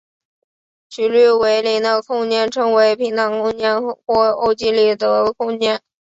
曲率为零的空间称为平坦空间或欧几里得空间。